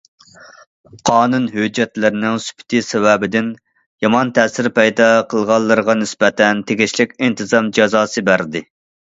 قانۇن ھۆججەتلىرىنىڭ سۈپىتى سەۋەبىدىن، يامان تەسىر پەيدا قىلغانلىرىغا نىسبەتەن تېگىشلىك ئىنتىزام جازاسى بەردى.